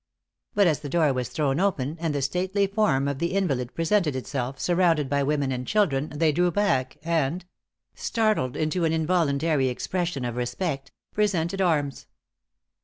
But as the door was thrown open, and the stately form of the invalid presented itself, surrounded by women and children, they drew back, and startled into an involuntary expression of respect presented arms.